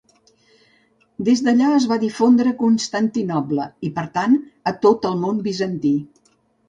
Des d'allà es va difondre a Constantinoble, i per tant a tot el món bizantí.